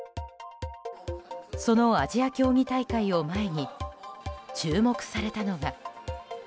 そのアジア競技大会を前に注目されたのが。